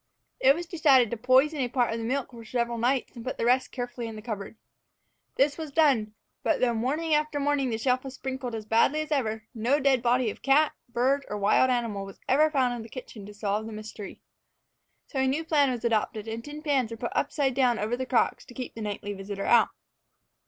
It was decided to poison a part of the milk for several nights and put the rest carefully in the cupboard. This was done; but though morning after morning the shelf was sprinkled as badly as ever, no dead body of cat, bird, or wild animal was ever found in the kitchen to solve the mystery. So a new plan was adopted, and tin pans were put upside down over the crocks to keep the nightly visitor out.